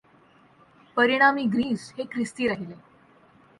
परिणामी ग्रीस हे ख्रिस्ती राहिले.